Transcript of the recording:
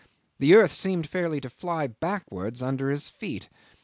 The earth seemed fairly to fly backwards under his feet.